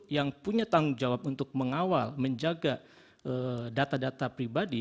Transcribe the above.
yang punya tanggung jawab untuk mengawal menjaga data data pribadi